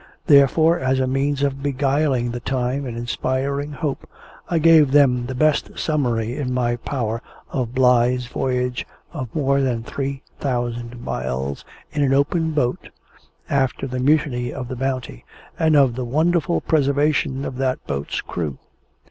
Therefore, as a means of beguiling the time and inspiring hope, I gave them the best summary in my power of Bligh's voyage of more than three thousand miles, in an open boat, after the Mutiny of the Bounty, and of the wonderful preservation of that boat's crew.